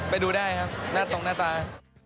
ไปดูได้ครับหน้าตรงหน้าตา